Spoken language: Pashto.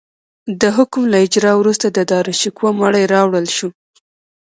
د حکم له اجرا وروسته د داراشکوه مړی راوړل شو.